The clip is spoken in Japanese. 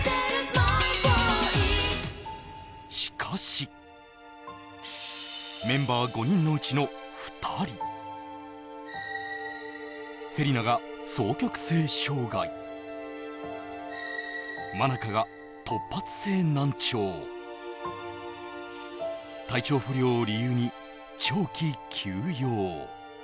しかし、メンバー５人のうちの２人、芹奈が双極性障害ｍａｎａｋａが突発性難聴体調不良を理由に長期休養。